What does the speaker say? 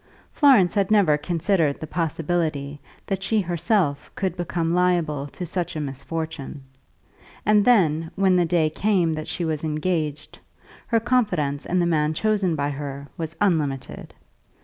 Florence had never considered the possibility that she herself could become liable to such a misfortune. And then, when the day came that she was engaged, her confidence in the man chosen by her was unlimited.